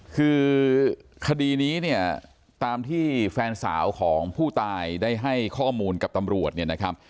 คือคดีนี้เนี่ยตามที่แฟนสาวของผู้ตายได้ให้ข้อมูลกับตำรวจเนี่ยนะครับ